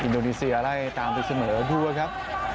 โดนีเซียไล่ตามไปเสมอด้วยครับ